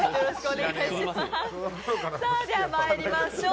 ではまいりましょう。